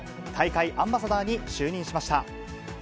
大会アンバサダーに就任しました。